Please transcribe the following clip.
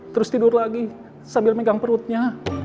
terus tidur lagi sambil megang perutnya